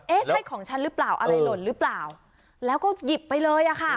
ใช่ของฉันหรือเปล่าอะไรหล่นหรือเปล่าแล้วก็หยิบไปเลยอ่ะค่ะ